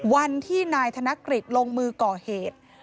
วันที่นายธนกฤษลงมือก่อเหตุ